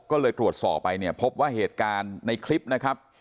ก็เลยตรวจสอบไปเนี่ยพบว่าเหตุการณ์ในคลิปนะครับ